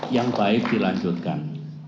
yang baik dilanjutkan